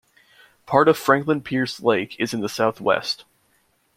Part of Franklin Pierce Lake is in the southwest.